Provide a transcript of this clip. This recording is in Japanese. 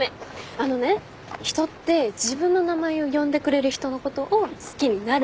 あのね人って自分の名前を呼んでくれる人のことを好きになるんだって。